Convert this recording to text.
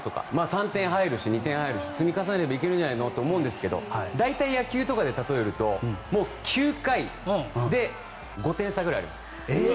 ３点入るし２点入るし積み重ねればいけるんじゃないのって言われるんですけど大体、野球とかで例えると９回で５点差ぐらいあります。